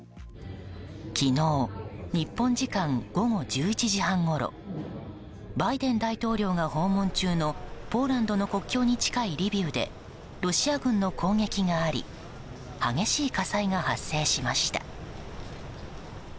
昨日、日本時間午後１１時半ごろバイデン大統領が訪問中のポーランドの国境に近いリビウでロシア軍の攻撃があり激しい火災が発生しました。